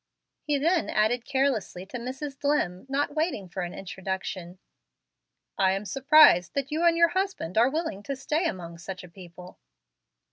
He then added carelessly to Mrs. Dlimm, not waiting for an introduction, "I am surprised that you and your husband are willing to stay among such a people."